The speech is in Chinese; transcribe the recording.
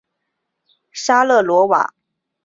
沙勒罗瓦。